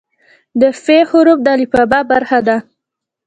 د "ف" حرف د الفبا برخه ده.